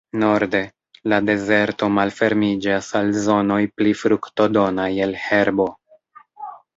Norde, la dezerto malfermiĝas al zonoj pli fruktodonaj el herbo.